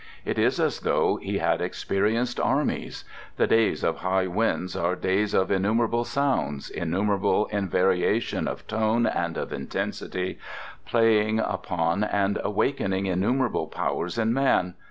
It is as though he had experienced armies. The days of high winds are days of innumerable sounds, innumerable in variation of tone and of intensity, playing upon and awakening innumerable powers in man.